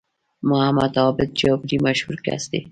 محمد عابد جابري مشهور کس دی